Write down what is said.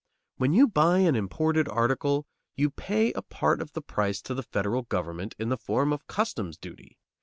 When you buy an imported article, you pay a part of the price to the Federal government in the form of customs duty.